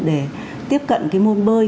để tiếp cận môn bơi